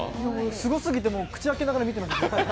すごすぎて口開けながら見てました。